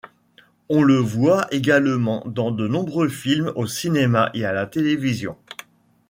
On le voit également dans de nombreux films au cinéma et à la télévision.